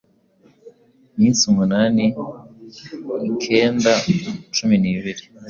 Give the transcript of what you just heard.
minsi umunani, ikenda, cumi n’ibiri…